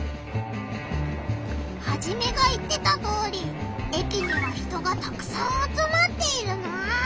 ハジメが言ってたとおり駅には人がたくさん集まっているな！